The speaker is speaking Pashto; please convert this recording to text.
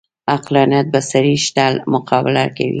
عقلانیت بڅري شته مقابله کوي